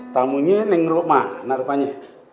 tamunya yang rumah anak rupanya